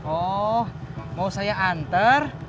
oh mau saya anter